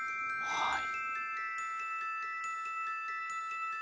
はい。